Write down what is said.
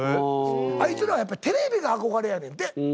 あいつらはやっぱりテレビが憧れやねんて。